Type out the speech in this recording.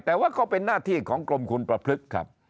แต่ว่าก็เป็นหน้าที่ของกรมคุณประพฤกษ์ครับ